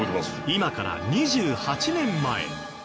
今から２８年前。